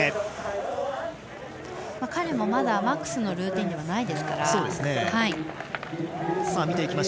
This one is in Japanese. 彼もまだマックスのルーティンではないですから。